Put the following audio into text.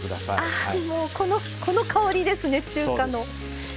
あぁもうこのこの香りですね中華の。